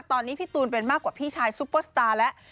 ตอนนี้พี่ตูนเป็นมากกว่าพี่ชายซุปเปอร์สตาร์แล้ว